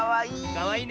かわいいね。